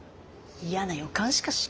嫌な予感しかしない。